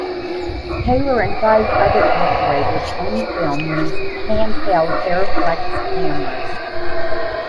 Taylor and five other operators on the film used hand-held Arriflex cameras.